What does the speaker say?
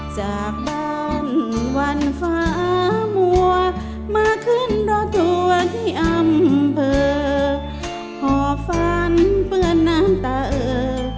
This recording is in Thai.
จากบ้านวันฟ้ามัวมาขึ้นรถทัวร์ที่อำเภอหอบฝันเปื้อนน้ำตาเออ